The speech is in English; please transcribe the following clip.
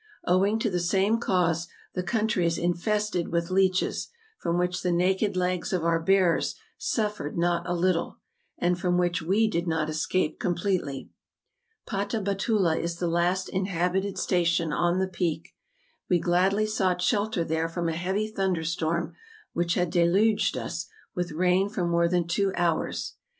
Owing to the same cause, the country is infested with leeches, from which the naked legs of our bearers suffered not a little, and from which we did not escape completely. Pataba tula is the last inhabited station on the peak. We gladly sought shelter there from a heavy thunder¬ storm which had deluged us with rain for more than two hours.